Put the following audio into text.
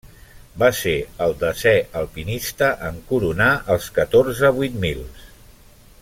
Va ser el desè alpinista en coronar els catorze vuit mils.